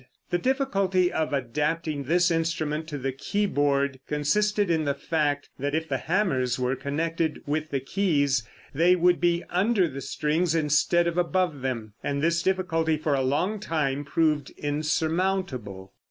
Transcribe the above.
The difficulty of adapting this instrument to the keyboard consisted in the fact that if the hammers were connected with the keys, they would be under the strings instead of above them, and this difficulty for a long time proved insurmountable.